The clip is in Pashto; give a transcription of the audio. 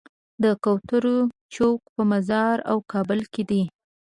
د کوترو چوک په مزار او کابل کې دی.